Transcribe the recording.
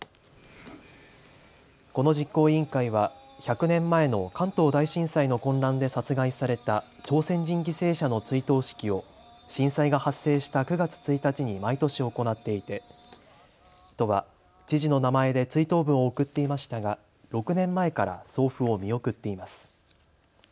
この実行委員会は１００年前の関東大震災の混乱で殺害された朝鮮人犠牲者の追悼式を震災が発生した９月１日に毎年行っていて都は知事の名前で追悼文を送っていましたが６年前から送付を見送っています。